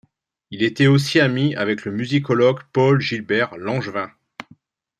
Il était aussi ami avec le musicologue Paul-Gilbert Langevin.